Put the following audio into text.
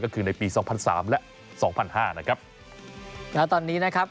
การแบบนั้นนะครับ